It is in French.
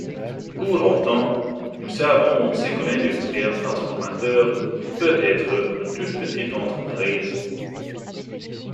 Pour autant, nous savons aussi que l’industriel transformateur peut être une toute petite entreprise.